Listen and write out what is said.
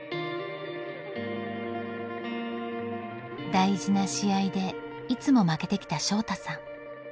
大事な試合でいつも負けてきた翔大さん。